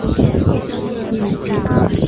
御嵩町为岐阜县可儿郡的町。